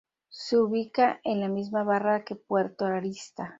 Se ubica en la misma barra que Puerto Arista.